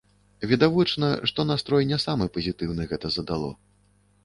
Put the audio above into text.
Відавочна, што настрой не самы пазітыўны гэта задало.